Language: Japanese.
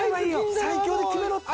西京で決めろって。